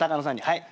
はい。